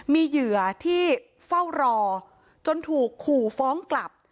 มีเหยื่อที่เฝ้ารอจนถูกขู่ฟ้องกลับ